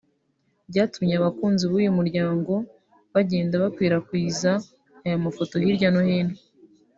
byatumye abakunzi b’uyu muryango bagenda bakwirakwiza aya mafoto hirya no hino